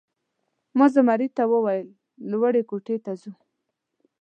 ما زمري ته وویل: لوړ کوټې ته ځو؟